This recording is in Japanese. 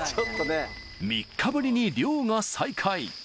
３日ぶりに漁が再開